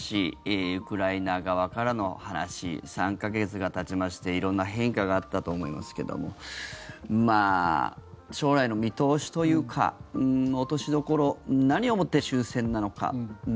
ウクライナ側からの話３か月がたちまして色んな変化があったと思いますけれども将来の見通しというか落としどころ何をもって終戦なのか。